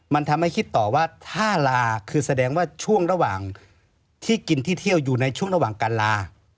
มันทำให้คิดต่อว่าถ้าลาคือแสดงว่าช่วงระหว่างที่กินที่เที่ยวอยู่ในช่วงระหว่างการลา